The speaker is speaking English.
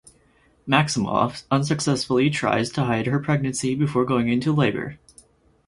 Maximoff unsuccessfully tries to hide her pregnancy before going into labor.